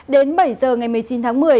đến bảy giờ ngày một mươi chín tháng một mươi